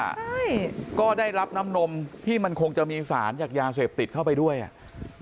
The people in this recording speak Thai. ใช่ก็ได้รับน้ำนมที่มันคงจะมีสารจากยาเสพติดเข้าไปด้วยอ่ะ